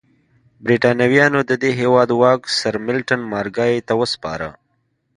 برېټانویانو د دې هېواد واک سرمیلټن مارګای ته وسپاره.